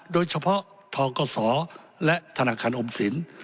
โดยเฉพาะทกศและธนาคารออมสิน